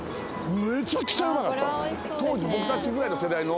めちゃくちゃうまかったの。